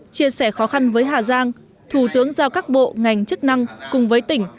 chia sẻ khó khăn với hà giang thủ tướng giao các bộ ngành chức năng cùng với tỉnh